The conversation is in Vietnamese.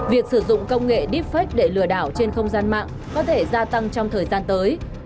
việc sử dụng công nghệ deepfake để lừa đảo trên không gian mạng có thể gia tăng trong thời gian tới